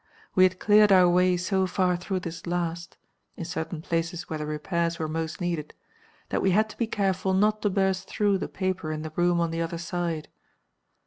We had cleared our way so far through this last in certain places where the repairs were most needed that we had to be careful not to burst through the paper in the room on the other side.